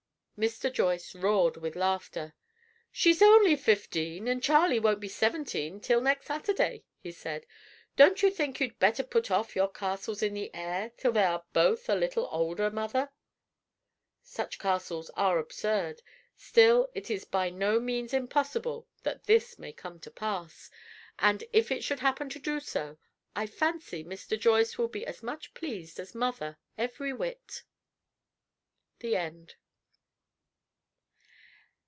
Mr. Joyce roared with laughter. "She's only fifteen and Charley won't be seventeen till next Saturday," he said. "Don't you think you'd better put off your castles in the air till they are both a little older, Mother?" Such castles are absurd; still it is by no means impossible that this may come to pass, and if it should happen to do so, I fancy Mr. Joyce will be as much pleased as "Mother," every whit. THE END.